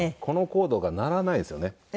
このコードが鳴らないですよね。